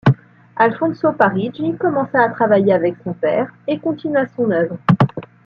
Alfonso Parigi commença à travailler avec son père et continua son œuvre.